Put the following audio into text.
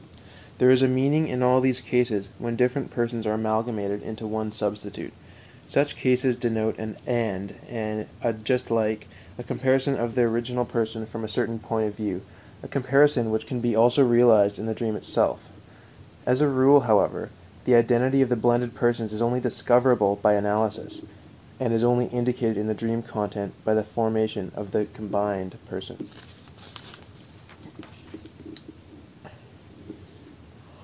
There is a meaning in all these cases when different persons are amalgamated into one substitute. Such cases denote an "and," a "just like," a comparison of the original person from a certain point of view, a comparison which can be also realized in the dream itself. As a rule, however, the identity of the blended persons is only discoverable by analysis, and is only indicated in the dream content by the formation of the "combined" person.